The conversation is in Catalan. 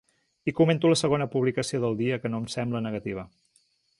I comento la segona publicació del dia que no em sembla negativa.